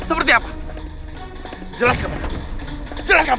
seperti apa jelaskan padamu jelaskan padamu